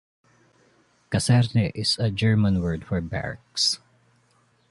Kaserne is a German word for barracks.